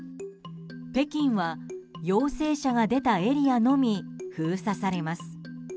北京は、陽性者が出たエリアのみ封鎖されます。